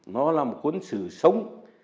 nó là một cuốn sử sống